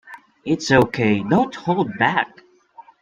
It's ok, don't hold back!.